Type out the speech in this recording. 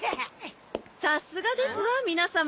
さすがですわ皆さま。